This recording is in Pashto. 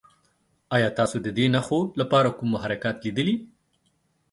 ایا تاسو د دې نښو لپاره کوم محرکات لیدلي؟